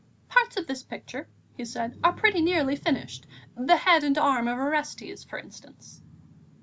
"Parts of the picture," he said, "are pretty nearly finished; the head and arm of Orestes, for instance."